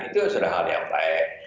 itu sudah hal yang baik